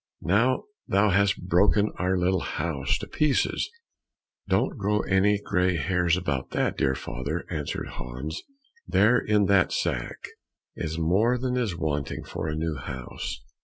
Now thou hast broken our little house to pieces!" "Don't grow any grey hairs about that, dear father," answered Hans; "there, in that sack, is more than is wanting for a new house."